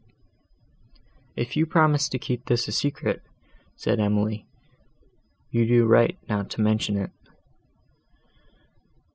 "If you promised to keep this secret," said Emily, "you do right not to mention it."